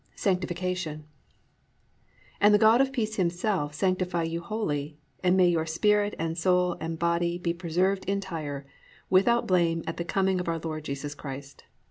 XI SANCTIFICATION "And the God of peace himself sanctify you wholly; and may your spirit and soul and body be preserved entire, without blame at the coming of our Lord Jesus Christ."